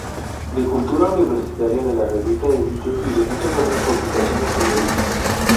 De Cultura Universitaria, de la revista Elite y de muchas otras publicaciones periódicas.